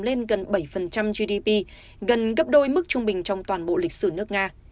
lên gần bảy gdp gần gấp đôi mức trung bình trong toàn bộ lịch sử nước nga